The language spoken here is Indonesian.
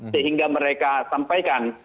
sehingga mereka sampaikan